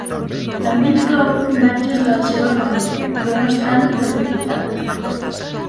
També inclou imatges de la seva família, però no estan identificades.